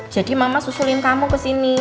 jadi mama susulin kamu kesini